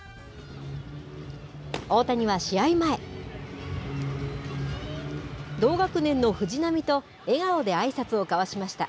大谷は試合前同学年の藤浪と笑顔であいさつを交わしました。